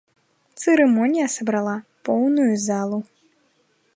Цырымонія сабрала поўную залу.